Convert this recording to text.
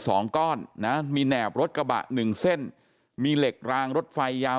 สองก้อนนะมีแหนบรถกระบะหนึ่งเส้นมีเหล็กรางรถไฟยาว